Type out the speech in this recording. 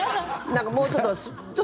もうちょっと。